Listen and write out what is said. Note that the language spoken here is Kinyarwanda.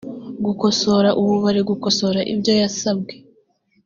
gukosora ubu bari gukosora ibyo yasabwe